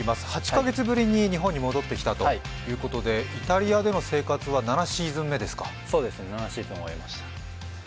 ８カ月ぶりに日本に戻ってきたということで、イタリアでの生活は７シーズン終わりました。